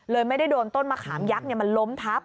ไม่ได้โดนต้นมะขามยักษ์มันล้มทับ